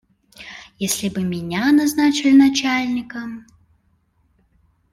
Если бы меня назначили начальником.